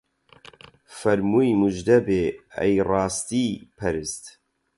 فەرمووی موژدەبێ ئەی ڕاستی پەرست